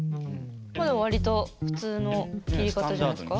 まだ割と普通の切り方じゃないですか？